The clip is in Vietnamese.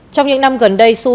trong những năm gần đây